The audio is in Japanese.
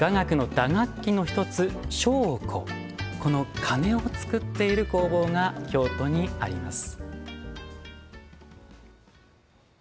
この鉦を作っている工房が京都にあります。